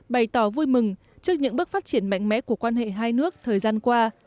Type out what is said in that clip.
bày tỏ vui mừng trước những bước phát triển mạnh mẽ của quan hệ hai nước thời gian qua